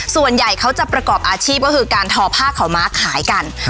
ส่วนใหญ่เขาจะประกอบอาชีพก็คือการทอผ้าขาวม้าขายกัน